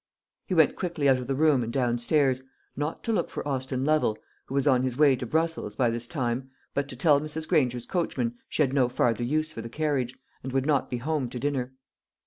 He went quickly out of the room and downstairs, not to look for Austin Lovel, who was on his way to Brussels by this time, but to tell Mrs. Granger's coachman she had no farther use for the carriage, and would not be home to dinner.